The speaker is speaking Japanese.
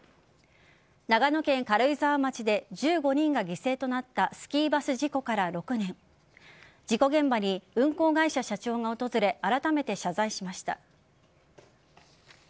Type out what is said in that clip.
長野県軽井沢町で１５人が犠牲となったスキーバス事故から６年事故現場に運行会社社長が訪れあらためて謝罪しました。